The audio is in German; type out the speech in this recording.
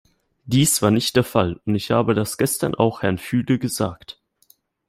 Dies war nicht der Fall, und ich habe das gestern auch Herrn Füle gesagt.